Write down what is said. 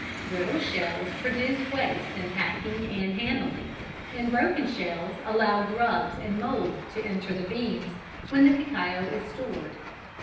Brittle shells produce waste in packing and handling, and broken shells allow grubs and mould to enter the beans when the cacao is stored.